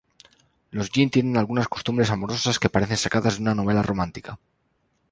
Los gin tienen algunas costumbres amorosas que parecen sacadas de una novela romántica.